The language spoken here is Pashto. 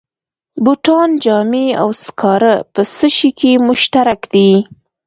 بوټان، جامې او سکاره په څه شي کې مشترک دي